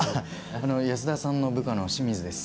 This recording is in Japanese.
あの安田さんの部下の清水です。